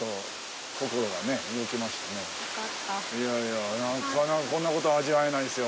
いやいや、なかなかこんなことは味わえないですよ。